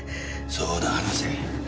そうだ話せ。